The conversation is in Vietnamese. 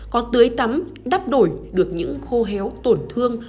có tưới tắm đổi được những khô héo tổn thương